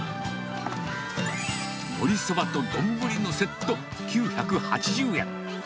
もりそばと丼のセット９８０円。